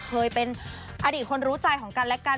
เคยเป็นอดีตคนรู้ใจของกันและกัน